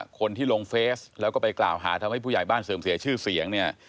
คนที่ลงเฟสแล้วก็ไปกล่าวหาทำให้ผู้ใหญ่บ้านเสื่อมเสียชื่อเสียงเนี่ย